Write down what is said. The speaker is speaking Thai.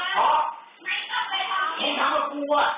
ใจเย็นหนิอะ